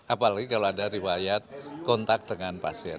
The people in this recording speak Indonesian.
apalagi kalau ada riwayat kontak dengan pasien